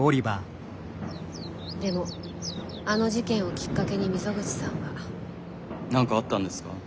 でもあの事件をきっかけに溝口さんは。何かあったんですか？